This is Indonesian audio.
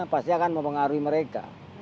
pasti akan mempengaruhi mereka